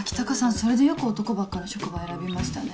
それでよく男ばっかの職場選びましたね。